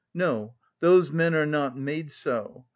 "No, those men are not made so.